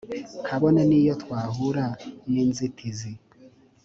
kabone n iyo twahura n inzitizi